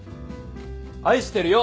愛してるよ！